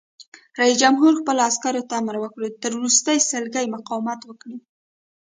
رئیس جمهور خپلو عسکرو ته امر وکړ؛ تر وروستۍ سلګۍ مقاومت وکړئ!